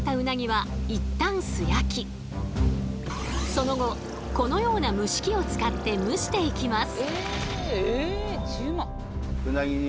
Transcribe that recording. その後このような蒸し器を使って蒸していきます。